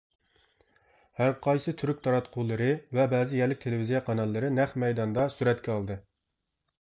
ھەرقايسى تۈرك تاراتقۇلىرى ۋە بەزى يەرلىك تېلېۋىزىيە قاناللىرى نەق مەيداندا سۈرەتكە ئالدى.